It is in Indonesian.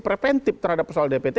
preventif terhadap persoalan dpt